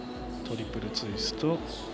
トリプルツイスト。